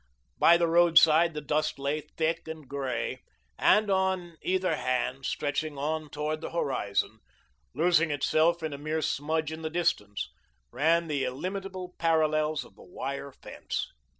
By the roadside the dust lay thick and grey, and, on either hand, stretching on toward the horizon, losing itself in a mere smudge in the distance, ran the illimitable parallels of the wire fence.